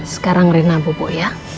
sekarang reina bubuk ya